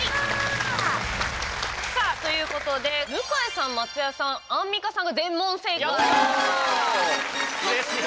さあということで向井さん松也さんアンミカさんが全問正解。